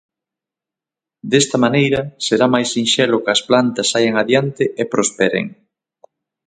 Desta maneira, será máis sinxelo que as plantas saian adiante e prosperen.